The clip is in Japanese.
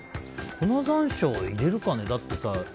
粉山椒入れるかね？